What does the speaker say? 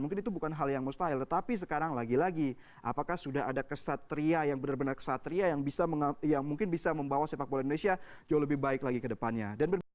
mungkin itu bukan hal yang mustahil tetapi sekarang lagi lagi apakah sudah ada kesatria yang benar benar kesatria yang mungkin bisa membawa sepak bola indonesia jauh lebih baik lagi ke depannya